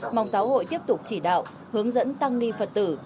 mong giáo hội tiếp tục chỉ đạo hướng dẫn tăng ni phật tử